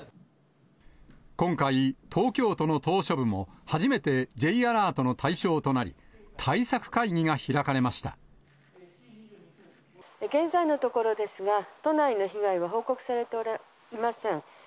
今回、東京都の島しょ部も、初めてＪアラートの対象となり、対策会議が現在のところですが、都内の被害は報告されていません。